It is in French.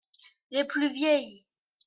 Les plus vieilles.